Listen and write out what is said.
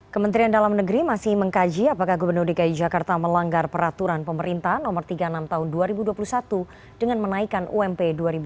kementerian dalam negeri masih mengkaji apakah gubernur dki jakarta melanggar peraturan pemerintah nomor tiga puluh enam tahun dua ribu dua puluh satu dengan menaikkan ump dua ribu dua puluh